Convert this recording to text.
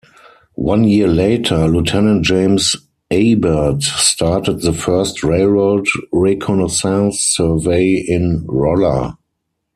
One year later, Lieutenant James Abert started the first railroad reconnaissance survey in Rolla.